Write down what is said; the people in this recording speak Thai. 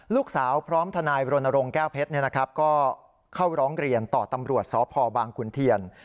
พร้อมทนายรณรงค์แก้วเพชรก็เข้าร้องเรียนต่อตำรวจสพบางขุนเทียน